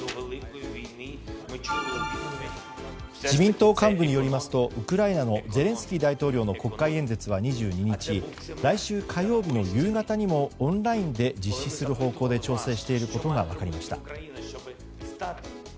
自民党幹部によりますとウクライナのゼレンスキー大統領の国会演説は２２日来週火曜日の夕方にもオンラインで実施する方向で調整していることが分かりました。